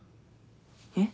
えっ？